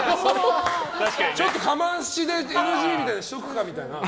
ちょっとかましでＮＧにしとくかみたいな。